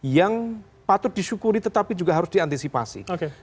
yang patut disyukuri tetapi juga harus diantisipasi